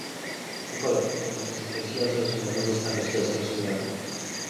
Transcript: cokolwiek, co może zostać źle zrozumiane, zostanie źle zrozumiane